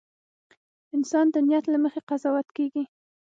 • انسان د نیت له مخې قضاوت کېږي.